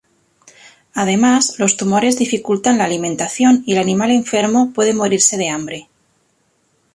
Además los tumores dificultan la alimentación, y el animal enfermo puede morirse de hambre.